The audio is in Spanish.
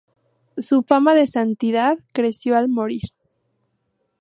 Su fama de santidad creció al morir.